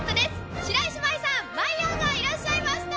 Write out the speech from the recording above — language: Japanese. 白石麻衣さん、まいやんがいらっしゃいましたー。